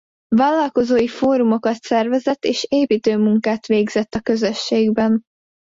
Vállalkozói fórumokat szervezett és építő munkát végzett a közösségben.